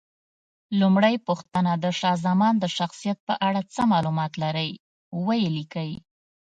لومړۍ پوښتنه: د شاه زمان د شخصیت په اړه څه معلومات لرئ؟ ویې لیکئ.